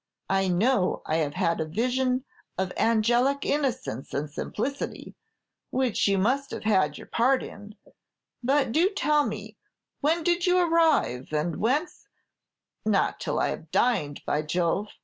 I know I have had a vision of angelic innocence and simplicity, which you must have had your part in; but do tell me when did you arrive, and whence " "Not till I have dined, by Jove!